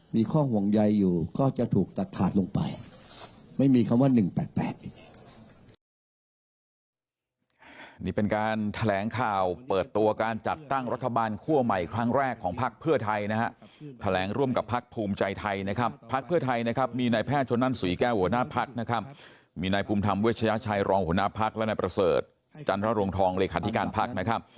มีข้อห่วงใยอยู่ก็จะถูกตัดขาดลงไปไม่มีคำว่า๑๘๘อีก